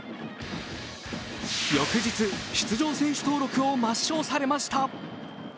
翌日、出場選手登録を抹消されました。